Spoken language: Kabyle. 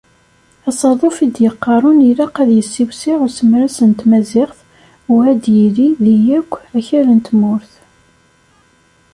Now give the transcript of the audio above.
Asaḍuf i d-yeqqaren ilaq ad yiwsiɛ usemres n Tmaziɣt u ad yili deg yakk akal n tmurt.